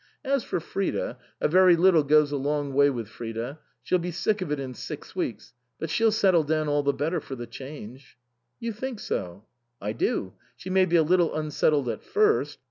As for Frida, a very little goes a long way with Frida ; she'll be sick of it in six weeks, but she'll settle down all the better for the change." " You think so ?"" I do. She may be a little unsettled at first.